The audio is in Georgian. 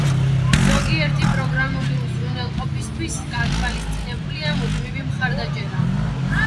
ზოგიერთი პროგრამული უზრუნველყოფისთვის გათვალისწინებულია მუდმივი მხარდაჭერა.